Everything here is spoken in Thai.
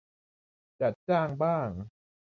จัดจ้างบ้าง